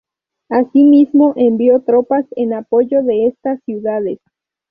Asimismo, envió tropas en apoyo de estas ciudades.